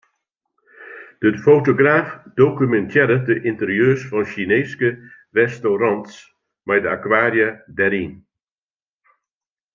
De fotograaf dokumintearret de ynterieurs fan Sjineeske restaurants mei de akwaria dêryn.